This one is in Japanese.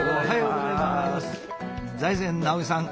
財前直見さん